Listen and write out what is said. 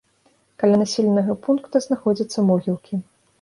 Каля населенага пункта знаходзяцца могілкі.